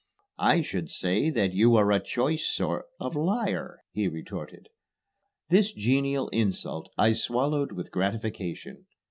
"I should say that you are a choice sort of liar," he retorted. This genial insult I swallowed with gratification.